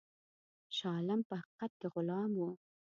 شاه عالم په حقیقت کې غلام وو.